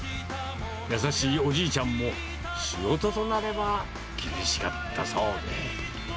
優しいおじいちゃんも、仕事となれば厳しかったそうで。